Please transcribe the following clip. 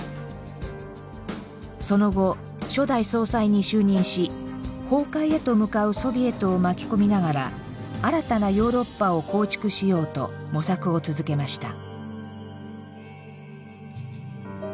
その後初代総裁に就任し崩壊へと向かうソビエトを巻き込みながら新たなヨーロッパを構築しようと模索を続けました。